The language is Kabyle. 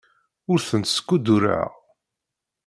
Ur tent-squddureɣ.